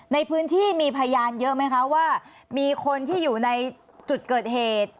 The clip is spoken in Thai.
ในพื้นที่มีพยานเยอะไหมคะว่ามีคนที่อยู่ในจุดเกิดเหตุ